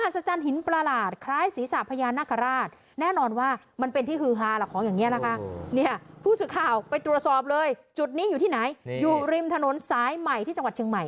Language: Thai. ถนนสายใหม่ที่จังหวัดเชียงใหม่ค่ะ